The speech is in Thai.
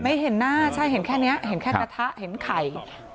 ไม่เห็นหน้าใช่เห็นแค่นี้เห็นแค่กระทะเห็นไข่